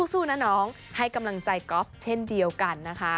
สู้นะน้องให้กำลังใจก๊อฟเช่นเดียวกันนะคะ